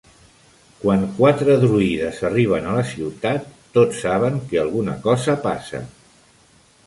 Quan quatre druides arriben a la ciutat tots saben que alguna cosa passa.